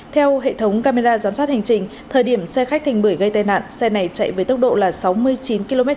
theo hệ thống camera giám sát hành trình thời điểm xe khách thành bưởi gây tai nạn xe này chạy với tốc độ là sáu mươi chín kmh